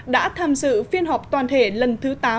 đã tham dự phiên họp toàn thể lần thứ tám